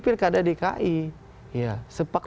pilkada dki sepak